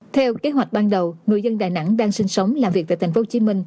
theo kế hoạch ban đầu người dân đà nẵng đang sinh sống làm việc tại tp hcm